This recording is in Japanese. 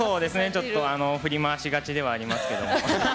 ちょっと振り回しがちではありますけど。